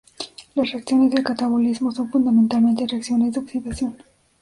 Las reacciones del catabolismo son fundamentalmente reacciones de oxidación.